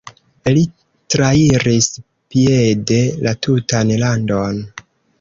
Li trairis piede la tutan landon.